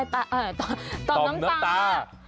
คุณป้านี่ดูสิต่อมน้ำลายต่อมน้ำปัง